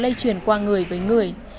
để truyền qua người với người